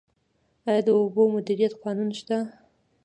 آیا د اوبو مدیریت قانون شته؟